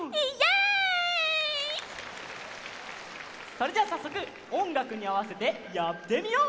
それじゃあさっそくおんがくにあわせてやってみよう！